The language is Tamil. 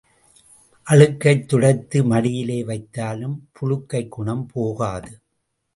அழுக்கைத் துடைத்து மடியிலே வைத்தாலும் புழுக்கைக் குணம் போகாது.